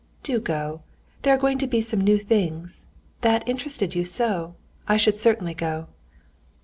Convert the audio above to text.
do go; there are going to be some new things.... That interested you so. I should certainly go."